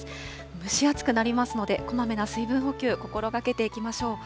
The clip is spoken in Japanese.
蒸し暑くなりますので、こまめな水分補給、心がけていきましょう。